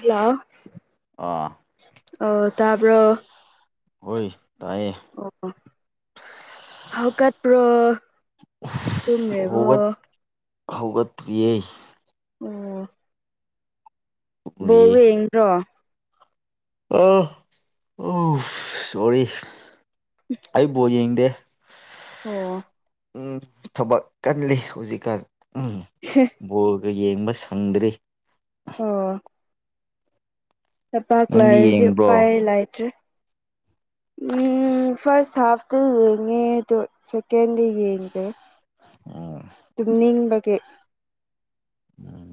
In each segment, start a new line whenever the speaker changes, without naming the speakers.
Hello
ꯑꯥ
ꯑꯣ ꯇꯥꯕ꯭ꯔꯣ
ꯍꯣꯏ ꯇꯥꯏꯌꯦ
ꯑꯣ ꯍꯧꯒꯠꯄ꯭ꯔꯣ
ꯍꯧꯒꯠ ꯍꯧꯒꯠꯇ꯭ꯔꯤꯌꯦ
ꯑꯣ ꯕꯣ
ꯇꯨꯝꯔꯤꯌꯦ
ꯌꯦꯡꯗ꯭ꯔꯣ
ꯑ ꯑꯣꯁ ꯁꯣꯔꯤ ꯑꯩ ꯕꯣꯜ ꯌꯦꯡꯗꯦ
ꯑꯣ
ꯎꯝ ꯊꯕꯛ ꯀꯜꯂꯤ ꯍꯧꯖꯤꯛꯀꯥꯟ ꯎꯝ
ꯁꯦ
ꯕꯣꯜꯒ ꯌꯦꯡꯕ ꯁꯪꯗ꯭ꯔꯤ
ꯑꯣ ꯇꯄꯥꯛ
ꯅꯪꯗꯤ
ꯂꯥꯏꯔꯗꯤ ꯎꯄꯥꯏ
ꯌꯦꯡꯕ꯭ꯔꯣ
ꯂꯥꯏꯇ꯭ꯔꯦ ꯎꯝ ꯐꯥꯔꯁ ꯍꯥꯐꯇꯤ ꯌꯦꯡꯉꯦ ꯑꯗꯣ ꯁꯦꯀꯦꯟꯗꯤ ꯌꯦꯡꯗ꯭ꯔꯦ
ꯑꯣ
ꯇꯨꯝꯅꯤꯡꯕꯒꯤ
ꯎꯝ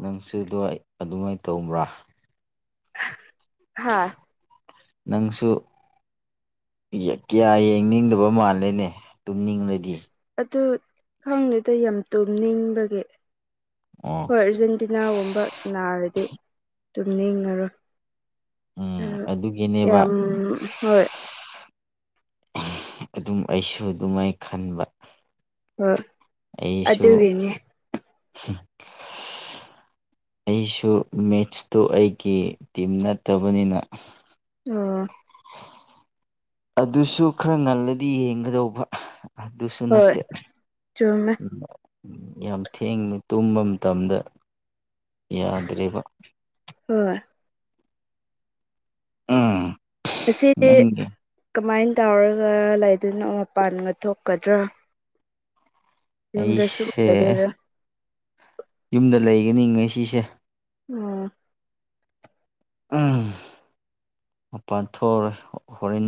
ꯅꯪꯁꯨ ꯗꯨꯋꯥꯢ ꯑꯗꯨꯃꯥꯏ ꯇꯧꯕ꯭ꯔꯥ
ꯍꯥꯥ
ꯅꯪꯁꯨ ꯀꯌꯥ ꯌꯦꯡꯅꯤꯡꯗꯕ ꯃꯥꯜꯂꯦꯅꯦ ꯇꯨꯝꯅꯤꯡꯂꯗꯤ
ꯑꯁ ꯑꯗꯨ ꯈꯪꯗꯗ ꯌꯥꯝ ꯇꯨꯝꯅꯤꯡꯕꯒꯤ
ꯑꯣ
ꯍꯣꯢ ꯔꯖꯟ ꯇꯤꯟꯅꯥꯒꯨꯝꯕ ꯁꯥꯟꯅꯔꯗꯤ ꯇꯨꯝꯅꯤꯡꯉꯔꯣꯏ
ꯎꯝ ꯑꯗꯨꯒꯤꯅꯦꯕ
ꯌꯥꯝ ꯍꯣꯏ
ꯑꯗꯨꯝ ꯑꯩꯁꯨ ꯑꯗꯨꯃꯥꯏ ꯈꯟꯕ
ꯑꯥ
ꯑꯩꯁꯨ ꯑꯩꯁꯨ ꯃꯦꯠꯁꯇꯨ ꯑꯩꯒꯤ ꯇꯤꯝ ꯅꯠꯇꯕꯅꯤꯅ
ꯑꯣ
ꯑꯗꯨꯁꯨ ꯈꯔ ꯉꯜꯂꯗꯤ ꯌꯦꯡꯒꯗꯧꯕ
ꯍꯣꯏ
ꯁꯨꯅꯠꯇ
ꯆꯨꯝꯃꯦ
ꯎꯝ ꯌꯥꯝ ꯊꯦꯡꯅ ꯇꯨꯝꯕ ꯃꯇꯝꯗ ꯌꯥꯗ꯭ꯔꯦꯕ
ꯍꯣꯏ
ꯑꯥ
ꯑꯁꯤꯗꯤ ꯀꯃꯥꯏꯅ ꯇꯧꯔꯒ ꯂꯩꯗꯨꯣꯏꯅꯣ ꯃꯄꯥꯟꯒ ꯊꯣꯛꯀꯗ꯭ꯔꯥ ꯌꯨꯝꯗꯁꯨ
ꯑꯩꯁꯦ
ꯑꯣꯏꯗꯣꯏꯔꯥ
ꯌꯨꯝꯗ ꯂꯩꯒꯅꯤ ꯉ ꯁꯤꯁꯦ
ꯎꯝ
ꯃꯄꯥꯟꯊ ꯍꯣꯔꯦꯟ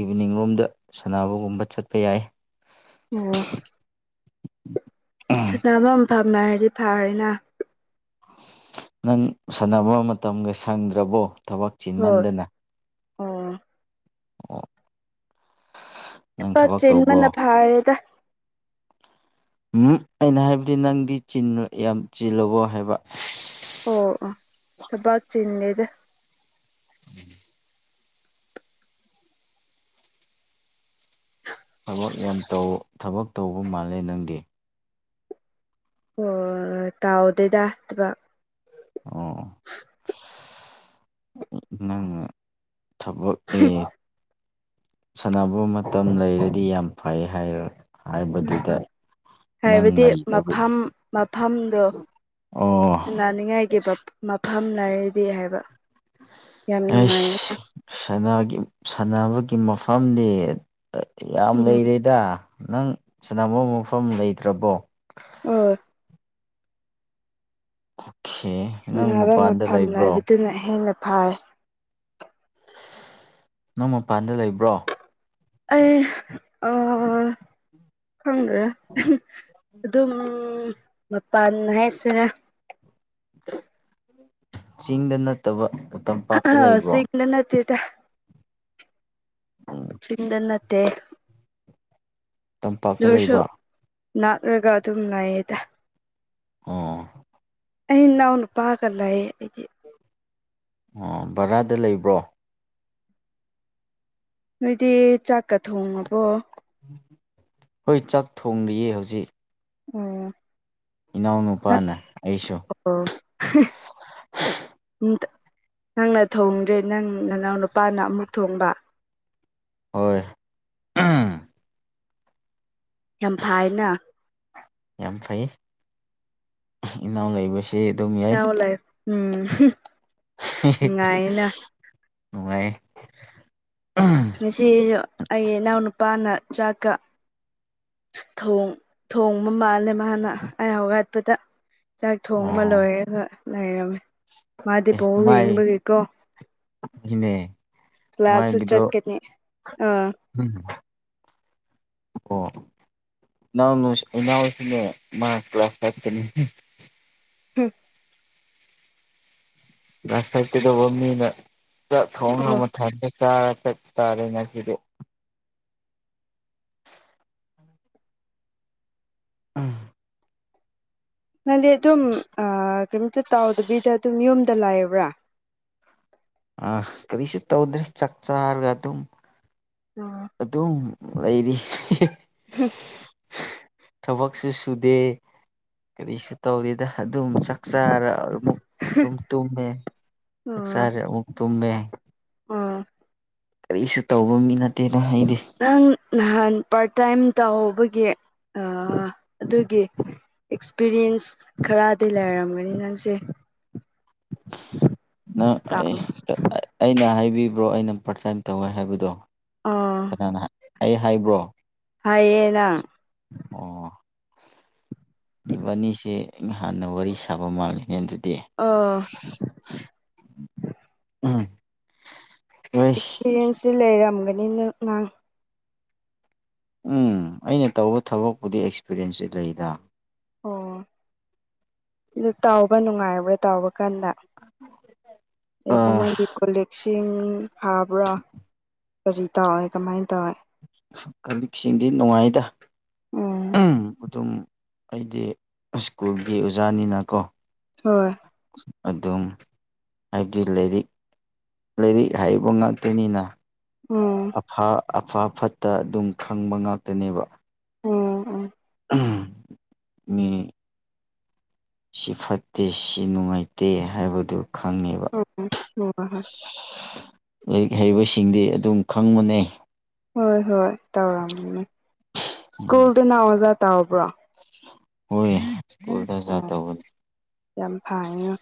ꯏꯚꯤꯅꯤꯡ ꯂꯣꯝꯗ ꯁꯥꯟꯅꯕꯒꯨꯝꯕ ꯆꯠꯄ ꯌꯥꯏ
ꯑꯣ
[unintelligible]
ꯁꯥꯟꯐꯝ ꯐꯝꯅ ꯍꯥꯏꯔꯗꯤ ꯐꯔꯦꯅ
ꯅꯪ ꯁꯥꯟꯅꯕ ꯃꯇꯝꯒ ꯁꯪꯗ꯭ꯔꯕꯣ ꯊꯕꯛ
ꯍꯣꯏ
ꯆꯤꯟꯃꯟꯗꯅ
ꯑꯣ
[unintelligible]
ꯄꯥꯛ
ꯇꯧꯕ꯭ꯔꯣ
ꯆꯦꯟꯕꯅ ꯐꯥꯔꯦꯗ
ꯎꯝ ꯑꯩꯅ ꯍꯥꯏꯕꯗꯤ ꯅꯪꯗꯤ ꯌꯥꯝ ꯆꯤꯂꯨꯕꯣ ꯍꯥꯏꯕ
ꯑꯣ ꯑꯣ ꯊꯕꯥꯛ ꯆꯤꯟꯂꯦꯗ
ꯎꯝ ꯊꯕꯛ ꯌꯥꯝ ꯇꯧ ꯊꯕꯛ ꯇꯧꯕ ꯃꯥꯜꯂꯦ ꯅꯪꯗꯤ
ꯑꯣ ꯇꯥꯎꯗꯣꯏꯗꯕ
ꯑꯣ
[unintelligible]
ꯅꯉ
[unintelligible]
ꯁꯥꯟꯅꯕ ꯃꯇꯝ ꯂꯩꯔꯗꯤ ꯌꯥꯝ ꯐꯩ ꯍꯥꯏꯔ
ꯎꯝ
ꯍꯥꯏꯕꯗꯨꯗ ꯅꯪ
ꯍꯥꯏꯕꯗꯤ
ꯂꯩꯇꯕꯒꯤ
ꯃꯐꯝ ꯃꯐꯝꯗꯣ
ꯑꯣ
ꯁꯨꯟꯅꯅꯤꯡꯉꯥꯏꯒꯤꯈꯤꯕ ꯃꯐꯝ ꯂꯩꯅꯥꯔꯤꯗꯤ ꯍꯥꯏꯕ ꯌꯥꯝ
ꯑ
ꯅꯨꯡꯉꯥꯏꯌꯦꯅ
ꯁꯥꯟꯅꯕꯒꯤ ꯃꯐꯝꯗꯤ ꯌꯥꯝ
ꯎꯝ
ꯂꯩꯔꯦꯗ ꯅꯪ ꯁꯅꯥꯃ ꯃꯐꯝ ꯂꯩꯇ꯭ꯔꯕꯣ
ꯑꯣ
ꯑꯣꯀꯦ ꯅꯪ ꯃꯄꯥꯟꯗ ꯂꯩꯕ꯭ꯔꯣ
ꯑꯗꯨꯅ ꯍꯦꯟꯅ ꯐꯥꯏ
ꯅꯪ ꯃꯄꯥꯟꯗ ꯂꯩꯕ꯭ꯔꯣ
ꯑꯩ ꯑꯥ ꯈꯪꯗ꯭ꯔꯦ ꯑꯗꯨꯝ ꯃꯄꯥꯟ ꯍꯥꯏꯁꯤꯔ
ꯆꯤꯡꯗ ꯅꯠꯇꯕ ꯇꯝꯄꯥꯛꯇ ꯂꯩꯕ꯭ꯔꯣ
ꯅꯪ ꯅꯠꯇꯦꯗ ꯆꯤꯡꯗ ꯅꯠꯇꯦ
ꯇꯝꯄꯥꯛꯇ
ꯑꯗꯨꯑꯣꯢꯔꯁꯨ
ꯂꯩꯕ
ꯅꯥꯛꯔꯒ ꯑꯗꯨꯝ ꯂꯩꯌꯦꯗ
ꯑꯣ
ꯑꯩ ꯏꯅꯥꯎ ꯅꯨꯄꯥꯒ ꯂꯩ
ꯑꯣ ꯕꯔꯥꯗ ꯂꯩꯕ꯭ꯔꯣ
ꯅꯣꯏꯗꯤ ꯆꯥꯛꯀ ꯊꯣꯡꯉꯕꯣ
ꯍꯣꯏ ꯆꯥꯛ ꯊꯣꯡꯂꯤꯌꯦ ꯍꯧꯖꯤꯛ
ꯎꯝ
ꯏꯅꯥꯎ ꯅꯨꯨꯄꯥꯅ ꯑꯩꯁꯨ
ꯑꯣ ꯅꯪꯅ ꯊꯣꯡꯗ꯭ꯔꯦ ꯅꯪ ꯅꯅꯥꯎ ꯅꯨꯄꯥꯅ ꯑꯃꯨꯛ ꯊꯣꯡꯕ
ꯍꯣꯏ
ꯌꯥꯝ ꯐꯥꯏꯅ
ꯌꯥꯝ ꯐꯩ ꯏꯅꯥꯎ ꯂꯩꯕꯕꯁꯤ ꯆꯦ ꯑꯗꯨꯝ ꯌꯥꯏ
ꯅꯅꯥꯎ ꯂꯩ ꯎꯝ ꯅꯨꯡꯉꯥꯏꯅ
ꯅꯨꯡꯉꯥꯏ ꯎꯝ
ꯉꯁꯤꯁꯨ ꯑꯩ ꯏꯅꯥꯎ ꯅꯨꯄꯥꯅ ꯆꯥꯛꯀ ꯊꯣꯡ ꯊꯣꯡꯕ ꯃꯥꯜꯂꯦ ꯃꯥꯅ ꯑꯩ ꯍꯧꯒꯠꯄꯗ ꯆꯥꯛ ꯊꯣꯡꯕ
ꯑꯣ
ꯂꯣꯏꯔꯒ ꯂꯩꯔꯝꯃꯦ ꯃꯥꯗꯤ ꯕꯣꯜ ꯌꯦꯡꯕꯒꯤꯀꯣ
ꯢꯅꯦ
ꯀ꯭ꯂꯥꯁꯁꯨ
ꯅꯨꯡꯉꯥꯢꯕꯤꯗꯣ
ꯆꯠꯀꯅꯤ ꯑꯥ
ꯑꯣ ꯏꯅꯥꯎꯅꯨꯁꯤ ꯏꯅꯥꯎꯁꯤꯅꯦ ꯃꯥ ꯀ꯭ꯂꯥꯁ ꯐꯥꯏꯚꯇꯅꯤ
ꯍꯝ
ꯀ꯭ꯂꯥꯁꯆꯠꯀꯗꯕ ꯃꯤꯗ ꯆꯥꯛ ꯊꯣꯡꯉ
ꯑꯣ
ꯑꯃꯨꯛ ꯊꯝꯃꯤ ꯆꯥꯔ ꯆꯠ ꯆꯥꯔꯦ ꯉꯁꯤꯗꯤ ꯎꯝ
ꯅꯪꯗꯤ ꯑꯗꯨꯝ ꯀꯔꯤꯝꯇ ꯇꯧꯗꯕꯤꯗ ꯑꯗꯨꯝ ꯌꯨꯝꯗ ꯂꯩꯕ꯭ꯔꯥ
ꯑ ꯀꯔꯤꯁꯨ ꯇꯧꯗ꯭ꯔꯦ ꯆꯥꯛ ꯆꯥꯔꯒ ꯑꯗꯨꯝ
ꯎꯝ
ꯑꯗꯨꯝ ꯂꯩꯔꯤ
ꯍ
ꯊꯕꯛꯁꯨꯨ ꯁꯨꯗꯦ ꯀꯔꯤꯁꯨ ꯇꯧꯗꯦꯗ ꯑꯗꯨꯝ ꯆꯥꯛ ꯆꯥꯔ ꯑꯃꯨꯛ ꯑꯗꯨꯨꯝ ꯇꯨꯝꯃꯦ ꯆꯥꯔꯦ ꯑꯃꯨꯛ ꯇꯨꯝꯃꯦ
ꯎꯝ
ꯀꯔꯤꯁꯨ ꯇꯧꯕ ꯃꯤ ꯅꯠꯇꯦꯗ ꯑꯩꯗꯤ
ꯅꯪ ꯅꯍꯥꯟ ꯄꯥꯔꯠ ꯇꯥꯏꯝ ꯇꯧꯕꯒꯤ ꯑꯗꯨꯒꯤ ꯑꯦꯛꯁꯄꯤꯔꯤꯌꯦꯟꯁ ꯈꯔꯗꯤ ꯂꯩꯔꯝꯃꯅꯤ ꯅꯪꯁꯦ
ꯅꯪ
ꯇꯥꯎ
ꯑꯩꯅ ꯍꯥꯏꯕꯤꯕ꯭ꯔꯣ ꯑꯩꯅ ꯄꯥꯔꯠ ꯇꯥꯏꯝ ꯇꯧꯋꯦ ꯍꯥꯏꯕꯗꯣ
ꯑꯣ
ꯀꯅꯥꯅ ꯑꯩ ꯍꯥꯏꯕ꯭ꯔꯣ
ꯍꯥꯏꯌꯦ ꯅꯪ
ꯑꯣ ꯏꯕꯥꯅꯤꯁꯦ ꯑꯩꯅ ꯍꯥꯟꯅ ꯋꯥꯔꯤ ꯁꯥꯕ ꯃꯥꯥꯜꯂꯤꯅꯦ ꯑꯗꯨꯗꯤ
ꯑꯥ
ꯎꯨꯝ
ꯑꯦꯛꯁꯄꯤꯔꯤꯌꯦꯟꯁꯇꯤ ꯂꯩꯔꯝꯒꯅꯤ ꯅꯪ ꯅꯪ
ꯎꯝ ꯑꯩꯅ ꯇꯧꯕ ꯊꯕꯛꯄꯨꯗꯤ ꯑꯦꯛꯁꯄꯤꯔꯤꯟꯁꯇꯤ ꯂꯩꯗꯥ
ꯑꯣ ꯑꯗꯨ ꯇꯧꯕ ꯅꯨꯡꯉꯥꯏꯕ꯭ꯔꯥ ꯇꯧꯕ ꯀꯟꯅ [inaudible] ꯆꯦꯡ ꯐꯥꯕ꯭ꯔꯥ ꯀꯔꯤ ꯇꯧꯋꯦ ꯀꯃꯥꯏꯅ ꯇꯧꯋꯦ
ꯀꯂꯤꯛꯁꯤꯡꯗꯤ ꯅꯨꯡꯉꯥꯏꯗ ꯑꯝ ꯑꯗꯨꯝ ꯑꯩꯗꯤ ꯁ꯭ꯀꯨꯜꯒꯤ ꯑꯣꯖꯥꯅꯤꯅꯀꯣ
ꯍꯣꯏ
ꯑꯗꯨꯝ ꯍꯥꯏꯕꯗꯤ ꯂꯥꯏꯔꯤꯛ ꯂꯥꯏꯔꯤꯛ ꯍꯥꯏꯕ ꯉꯥꯛꯇꯅꯤꯅ
ꯎꯝ
ꯑꯐ ꯑꯐ ꯐꯠꯇ ꯑꯗꯨꯝ ꯈꯪꯕ ꯉꯥꯛꯇꯅꯦꯕ
ꯎꯝ
ꯎꯝ ꯎꯝ ꯁꯤ ꯐꯠꯇꯦ ꯁꯤ ꯅꯨꯡꯉꯥꯏꯇꯦ ꯍꯥꯏꯕꯗꯨ ꯈꯪꯉꯦꯕ
[unintelligible]
ꯂꯥꯏꯔꯤꯛ ꯍꯩꯕꯁꯤꯡꯗꯤ ꯑꯗꯨꯝ ꯈꯪꯕꯅꯦ
ꯍꯣꯏ ꯍꯣꯏ ꯇꯧꯔꯝꯃꯦ
ꯎꯝ
ꯁ꯭ꯀꯨꯜꯗ ꯅꯪ ꯑꯣꯖꯥ ꯇꯧꯕ꯭ꯔꯣ
ꯍꯣꯏ ꯁ꯭ꯀꯨꯜꯗ ꯑꯣꯖꯥ
ꯑꯣ
ꯇꯧꯕ
ꯌꯥꯝ ꯐꯩꯉ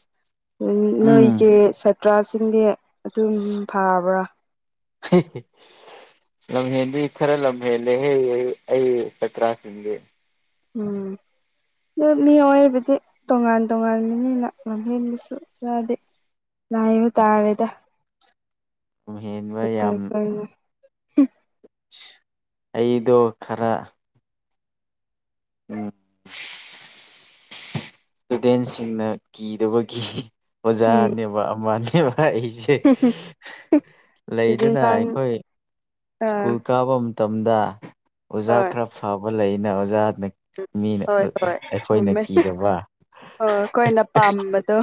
ꯎꯝ
ꯅꯣꯏꯒꯤ ꯁꯥꯇ꯭ꯔꯥꯁꯤꯡꯗꯤ ꯑꯗꯨꯝ ꯐꯥꯕ꯭ꯔ
ꯍꯤꯍꯤ ꯂꯝꯍꯦꯟꯗꯤ ꯈꯔ ꯂꯝꯍꯦꯜꯂꯦꯍꯦ ꯑꯩ ꯑꯩ ꯆꯇꯔꯥꯁꯤꯡꯗꯤ
ꯎꯨꯝ ꯑꯗꯨ ꯃꯤ ꯑꯣꯏꯕꯗꯤ ꯇꯣꯉꯥꯟ ꯇꯣꯉꯥꯟꯕꯅꯤꯅ ꯂꯝꯕꯦꯟꯕꯁꯨ ꯌꯥꯎꯗꯦ ꯅꯥꯍꯥꯟꯅ ꯇꯥꯔꯦꯗ
ꯂꯝ ꯍꯦꯟꯕ
ꯑꯗꯨꯗ
ꯌꯥꯝ
ꯑꯩꯈꯣꯏꯅ
ꯑꯩꯗꯣ ꯈꯔ ꯎꯨꯝ ꯁꯤ ꯏꯁꯇꯨꯗꯦꯟꯁꯤꯡꯅ ꯀꯤꯗꯕꯒꯤ
ꯎꯝ
ꯑꯣꯖꯥꯅꯦꯕ ꯑꯃꯅꯦꯕ ꯑꯩꯁꯤ ꯍꯦ
ꯑꯗꯨꯗꯤ
ꯂꯩꯗꯨꯅ
ꯅꯪ
ꯑꯩꯈꯣꯏ
ꯑ
ꯁ꯭ꯀꯨꯜ ꯀꯥꯕ ꯃꯇꯝꯗ ꯑꯣꯖꯥ
ꯍꯣꯏ
ꯈꯔ ꯐꯕ ꯂꯩꯅ ꯑꯣꯖꯥꯅ ꯃꯤꯅ
ꯍꯣꯏ ꯍꯣꯏ
ꯑꯩꯈꯣꯏꯅ
ꯆꯨꯝꯃꯦ
ꯀꯤꯗꯕ ꯍ
ꯍꯣꯏ ꯑꯩꯈꯣꯏꯅ ꯄꯥꯝꯕꯗꯣ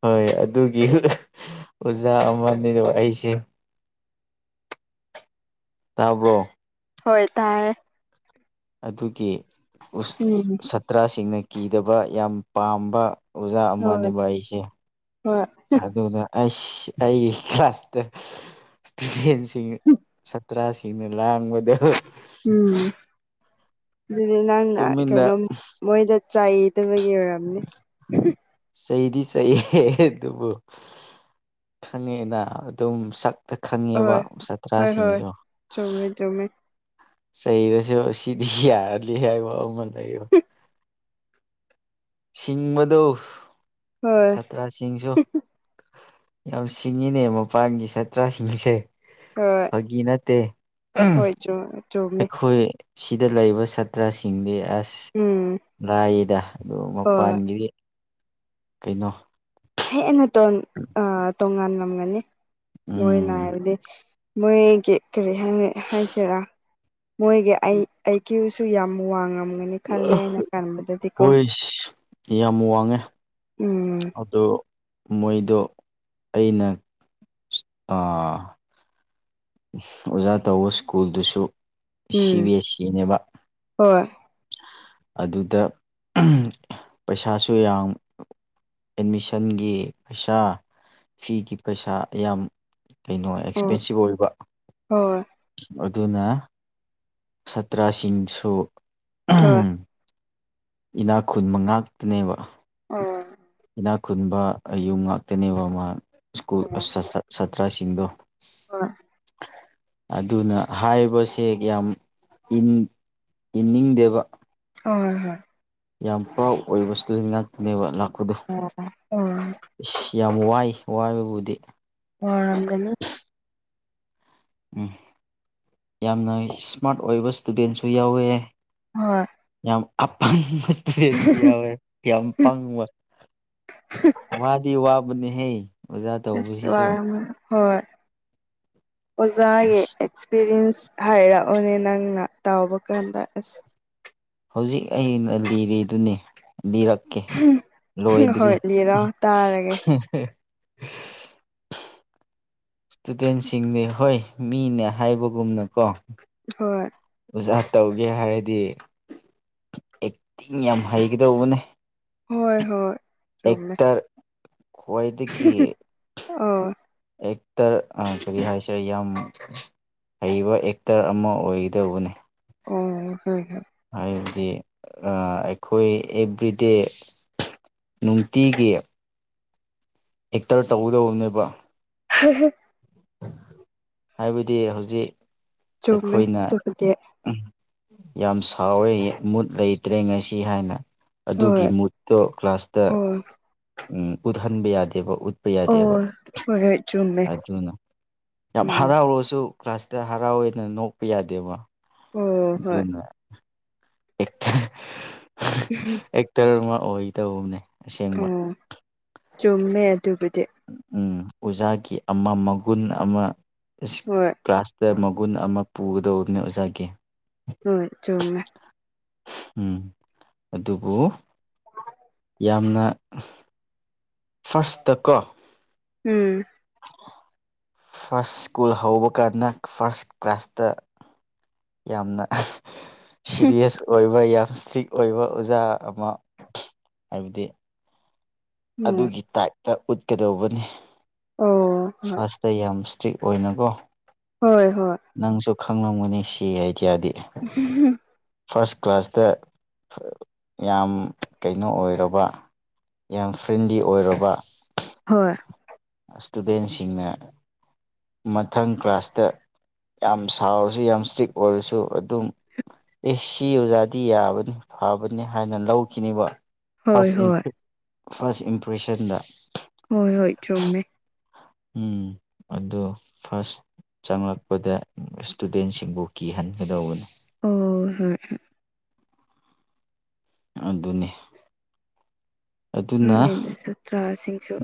ꯍ ꯍꯣꯏ ꯑꯗꯨꯒꯤ ꯑꯣꯖꯥ ꯑꯃꯅꯦꯕ ꯑꯩꯁꯦ ꯇꯥꯕ꯭ꯔꯣ
ꯍꯣꯏ ꯇꯥꯏꯌꯦ
ꯑꯗꯨꯒꯤ ꯎꯁ
ꯎꯨꯝ
ꯁꯥꯇ꯭ꯔꯁꯤꯡꯅ ꯀꯤꯗꯕ ꯌꯥꯝ ꯄꯥꯝꯕ ꯑꯣꯖꯥ
ꯍꯣꯏ
ꯑꯃꯅꯦꯕ ꯑꯩꯁꯦ
ꯍꯣꯏ
ꯑꯗꯨꯅ ꯑꯁ ꯑꯩꯒꯤ ꯀ꯭ꯂꯥꯁꯇ ꯏꯁꯇꯨꯗꯦꯟꯁꯤꯡ ꯇ꯭ꯔꯥꯁꯤꯡꯅ ꯂꯥꯥꯡꯕꯗ
ꯑꯗꯨꯗ ꯅꯪꯅ
ꯇꯨꯃꯤꯟꯅ
ꯀꯩꯅꯣ ꯃꯣꯏꯗ ꯆꯩꯗꯕꯒꯤ ꯑꯣꯏꯔꯝꯅꯤ ꯍ
ꯆꯩꯗꯤ ꯆꯩꯌꯦ ꯑꯗꯨꯕꯨ ꯈꯪꯉꯦꯅ ꯑꯗꯨꯝ ꯁꯛ ꯇ ꯈꯪꯉꯤꯕ
ꯍꯣꯏ ꯍꯣꯏ ꯍꯣꯏ
ꯁꯥꯇ꯭ꯔꯥꯁꯤꯡꯁꯨ
ꯆꯨꯝꯃꯦ ꯆꯨꯝꯃꯦ
ꯆꯩꯔꯁꯨ ꯁꯤꯗꯤ ꯌꯥꯔꯅꯤ ꯍꯥꯏꯕ ꯑꯃ ꯂꯩꯌꯦꯕ
ꯎꯨꯞ [inaudible]
ꯁꯤꯡꯕꯗꯣ
ꯍꯣꯏ
ꯁꯥꯇ꯭ꯔꯁꯤꯡꯁꯨ ꯌꯥꯝ ꯁꯤꯡꯉꯤꯅꯦ ꯃꯄꯥꯟꯒꯤ ꯁꯥꯠꯇ꯭ꯔꯁꯤꯡꯁꯦ
ꯍꯣꯏ꯫
ꯒꯤ ꯅꯠꯇꯦ
ꯍꯣꯏꯁꯨ
ꯑꯩꯈꯣꯏ ꯁꯤꯗ ꯂꯩꯕ ꯁꯥꯇ꯭ꯔꯁꯤꯡꯗꯤ ꯑꯁ
ꯎꯝ
ꯂꯥꯏꯌꯦꯗ ꯑꯗꯨ
ꯍꯣꯏ
ꯃꯄꯥꯟꯒꯤ ꯀꯩꯅꯣ
ꯍꯦꯟꯅ ꯑ ꯇꯣꯉꯜꯂꯝꯂꯝꯒꯅꯤ ꯃꯣꯏꯅ
ꯎꯝ
ꯍꯥꯏꯕꯗꯤ ꯃꯣꯏꯒꯤ ꯀꯔꯤ ꯍꯥꯏ ꯍꯥꯏꯁꯤꯔꯥ ꯃꯣꯏꯒꯤ ꯑꯩ ꯑꯩꯒꯤ ꯁꯨ ꯌꯥꯝ ꯋꯥꯡꯉꯝꯒꯅꯤ ꯈꯜꯂꯦ ꯑꯩꯅ ꯈꯟꯕꯗꯗꯤ ꯀꯣ
ꯏꯁ ꯌꯥꯝ ꯋꯥꯡꯉꯦ
ꯎꯝ
ꯑꯗꯣ ꯃꯣꯏꯗꯣ ꯑꯩꯅ ꯑꯥ ꯑꯣꯖꯥ ꯇꯧꯕ ꯁ꯭ꯀꯨꯜꯗꯨꯁꯨ ꯁꯤ
ꯎꯝ
ꯕꯤ ꯑꯦꯁ ꯁꯤꯅꯦꯕ
ꯍꯣꯏ
ꯑꯗꯨꯗ ꯄꯩꯁꯥꯁꯨ ꯌꯥꯝ ꯑꯦꯠꯃꯤꯁꯟꯒꯤ ꯄꯩꯁꯥ ꯐꯤꯒꯤ ꯄꯩꯁꯥ ꯌꯥꯝ ꯀꯩꯅꯣ
ꯍꯣꯏ
ꯑꯦꯛꯁꯄꯦꯟꯁꯤꯞ ꯑꯣꯏꯕ
ꯍꯣꯏ
ꯑꯗꯨꯅ ꯁꯇ꯭ꯔꯥꯁꯤꯡꯁꯨ
ꯍꯣꯏ
ꯏꯅꯥꯛ ꯈꯨꯟꯕ ꯉꯥꯛꯇꯅꯦꯕ
ꯑꯣ
ꯏꯤꯅꯥꯛ ꯈꯨꯟꯕ ꯑꯌꯨꯝ ꯉꯥꯛꯇꯅꯦꯕ ꯃꯥ ꯁ꯭ꯀꯨꯜ ꯁꯥꯇ꯭ꯔꯁꯤꯡꯗꯣ
ꯍꯣꯏ
ꯑꯗꯨꯅ ꯍꯥꯏꯔꯤꯕꯁꯦ ꯌꯥꯝ ꯏꯅꯤꯡꯗꯦꯕ
ꯍꯣꯏ ꯍꯣꯏ
ꯌꯥꯝ ꯄ꯭ꯔꯥꯎ ꯑꯣꯏꯕꯁꯨ ꯂꯩꯉꯥꯛꯇꯅꯦꯕ ꯂꯥꯛꯄꯗ
ꯑꯣ ꯑꯣ
ꯏꯁꯁ ꯌꯥꯝ ꯋꯥꯏ ꯋꯥꯏꯕꯕꯨꯗꯤ
ꯑꯣ ꯑꯔꯝꯒꯣ
ꯎꯝ ꯌꯥꯝꯅ ꯏꯁꯃꯥꯔꯠ ꯑꯣꯏꯕ ꯏꯁꯇꯨꯗꯦꯟꯁꯨ ꯌꯥꯎꯋꯦ
ꯍ
ꯌꯥꯝ ꯑ ꯃꯁ ꯑꯣꯏꯣꯏ ꯌꯥꯝ ꯇꯪꯕ ꯋꯥꯗꯤ ꯋꯥꯕꯅꯤꯍꯦ
ꯑꯁ ꯋꯥꯔꯝ ꯍꯣꯏ ꯑꯣꯖꯥꯒꯤ ꯑꯦꯛꯁꯄꯤꯔꯤꯌꯦꯟꯁ ꯍꯥꯏꯔꯛꯑꯣꯅꯦ ꯅꯪꯅ ꯇꯥꯎꯕ ꯀꯥꯟꯗ ꯑꯁ
ꯍꯧꯖꯤꯛ ꯑꯩꯅ ꯂꯤꯔꯤꯗꯨꯅꯦ ꯔꯛꯀꯦ ꯂꯣꯏꯗ꯭ꯔꯤ
ꯍꯣꯏ ꯂꯤꯔꯥꯎ ꯇꯥꯔꯒꯦ
ꯏꯁꯇꯨꯗꯦꯟꯁꯤꯡꯗꯤ ꯍꯣꯏ ꯃꯤꯅꯦ ꯍꯥꯏꯕꯒꯨꯝꯅꯀꯣ
ꯍꯣꯏ
ꯑꯣꯖꯥ ꯇꯧꯒꯦ ꯍꯥꯏꯔꯗꯤ ꯑꯦꯛꯇꯤꯡ ꯌꯥꯝ ꯍꯩꯒꯗꯧꯕꯅꯦ
ꯍꯣꯏ ꯍꯣꯏ ꯆꯨꯝꯃꯦ
ꯑꯦꯛꯇꯔ ꯈ꯭ꯋꯥꯏꯗꯒꯤ
ꯑꯣ
ꯑꯦꯛꯇ ꯀꯔꯤ ꯍꯥꯏꯁꯦ ꯌꯥꯝ ꯍꯩꯕ ꯑꯦꯛꯇꯔ ꯑꯃ ꯑꯣꯏꯒꯗꯧꯕꯅꯤ
ꯑꯣ ꯍ ꯍ
ꯍꯥꯏꯕꯗꯤ ꯑꯩꯈꯣꯏ ꯑꯦꯕ꯭ꯔꯤꯗꯦ ꯅꯨꯡꯇꯤꯒꯤ ꯑꯦꯛꯇꯔ ꯇꯧꯒꯗꯧꯕꯅꯦꯕ
[unintelligible]
ꯍꯥꯏꯕꯗꯤ ꯍꯧꯖꯤꯛ
ꯆꯨꯝꯃꯦ
ꯑꯩꯈꯣꯏꯅ
ꯑꯗꯨꯕꯨꯗꯤ
ꯌꯥꯝ ꯁꯥꯎꯋꯦ ꯃꯨꯠ ꯂꯩꯇ꯭ꯔꯦ ꯉꯁꯤ ꯍꯥꯏꯅ
ꯍꯣꯏ
ꯑꯗꯨꯒꯤ ꯃꯨꯠꯇꯣ ꯀ꯭ꯂꯥꯁꯇ
ꯑꯣ
ꯎꯠꯍꯟꯕ ꯌꯥꯗꯦꯕ ꯄ
ꯑꯣ
ꯌꯥꯗꯦꯕ
ꯍꯣꯏ ꯍꯣꯏ ꯆꯨꯝꯃꯦ
ꯑꯗꯨꯅ ꯌꯥꯝ
ꯎꯝ
ꯍꯔꯥꯎꯔꯁꯨ ꯀ꯭ꯂꯥꯁꯇ ꯍꯔꯥꯎꯅ ꯅꯣꯛꯄ ꯌꯥꯗꯦꯕ
ꯑꯣ ꯍꯣꯏ
ꯑꯗꯨꯅ ꯏꯦ
ꯎꯝ
ꯑꯦꯛꯇꯔ ꯑꯃ ꯑꯣꯏꯗꯧꯕꯅꯦ ꯑꯁꯦꯡꯕ
ꯑꯣ ꯆꯨꯝꯃꯦ ꯑꯗꯨꯕꯨꯗꯤ
ꯎꯝ ꯑꯣꯖꯥꯒꯤ ꯑꯃ ꯃꯒꯨꯟ ꯑꯃ
ꯍꯣꯏ
ꯀ꯭ꯂꯥꯁꯇ ꯃꯒꯨꯟ ꯑꯃ ꯄꯨꯒꯗꯧꯕꯅꯦ ꯑꯣꯖꯥꯒꯤ
ꯍꯣꯏ ꯆꯣꯡꯃꯦ
ꯎꯝ ꯑꯗꯨꯕꯨ
[unintelligible]
ꯌꯥꯝꯅ ꯐꯁꯀ
ꯎꯝ
ꯐꯥꯔꯁ ꯁ꯭ꯀꯨꯜ ꯍꯧꯕ ꯀꯥꯟꯗ ꯐꯥꯔꯁ ꯀ꯭ꯂꯥꯁꯇ ꯌꯥꯝꯅ ꯁꯤꯔꯤꯌꯁ ꯑꯣꯏꯕ ꯌꯥꯝ ꯏꯁꯇ꯭ꯔꯤꯛ ꯑꯣꯏꯕ ꯑꯣꯖꯥ ꯑꯃ ꯍꯥꯏꯕꯗꯤ
ꯍꯣꯏ
ꯑꯗꯨꯒꯤ ꯇꯥꯏꯞꯇ ꯎꯠꯀꯗꯧꯕꯅꯤ
ꯑꯣ
ꯐꯥꯔꯁꯇ ꯌꯥꯝ ꯏꯁꯇ꯭ꯤꯔꯤꯛ ꯑꯣꯏꯅꯀꯣ
ꯍꯣꯏ ꯍꯣꯏ
ꯅꯪꯁꯨ ꯈꯪꯂꯝꯒꯅꯤ ꯁꯤ ꯑꯥꯏꯗꯤꯌꯥꯗꯤ
ꯎ
ꯐꯥꯔꯁ ꯀ꯭ꯂꯥꯁꯇ ꯌꯥꯝ ꯀꯩꯅꯣ ꯑꯣꯏꯔꯕ ꯌꯥꯝ ꯐ꯭ꯔꯦꯟꯂꯤ ꯑꯣꯏꯔꯕ
ꯍꯣꯏ
ꯏꯁꯇꯨꯗꯦꯟꯁꯤꯡꯅ ꯃꯊꯪ ꯀ꯭ꯂꯥꯁꯇ ꯌꯥꯝ ꯁꯥꯎꯔꯁꯨ ꯌꯥꯝ ꯏꯁꯇ꯭ꯤꯛ ꯑꯣꯏꯔꯁꯨ ꯑꯗꯨꯝ ꯑꯦ ꯁꯤ ꯑꯣꯖꯥꯗꯤ ꯌꯥꯕꯅꯤ ꯐꯕꯅꯤ ꯍꯥꯏꯅ ꯂꯧꯈꯤꯅꯦꯕ
ꯍꯣꯏ ꯍꯣꯏ
ꯐꯥꯁ ꯏ
ꯍꯣꯏ
ꯐꯥꯁ ꯏꯝꯄ꯭ꯔꯦꯁꯟꯗ
ꯍꯣꯏ ꯍꯣꯏ ꯆꯨꯝꯃꯦ
ꯎꯝ ꯑꯣ ꯐꯥꯔꯁ ꯆꯪꯂꯛꯄꯗ ꯏꯁꯇꯨꯗꯦꯟꯁꯤꯡꯕꯨ ꯀꯤꯍꯟꯒꯗꯧꯕꯅꯤ
ꯑꯣ ꯍꯣꯏ ꯍꯣꯏ
ꯑꯗꯨꯅꯦ
ꯅ ꯍꯗ꯭ꯔ ꯁꯇ꯭ꯔꯁꯤꯡꯁꯨꯣ